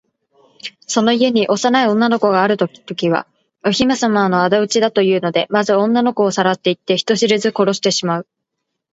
その家に幼い女の子があるときは、お姫さまのあだ討ちだというので、まず女の子をさらっていって、人知れず殺してしまう。